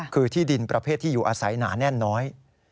คือที่ดินประเภทที่อยู่อาศัยหนาแน่นน้อย